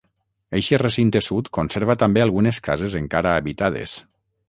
Eixe recinte sud conserva també algunes cases encara habitades.